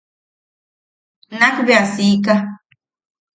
Nak bea siika.